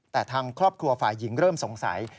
แต่ทางครอบครัวฝ่ายหญิงเริ่มสงสัย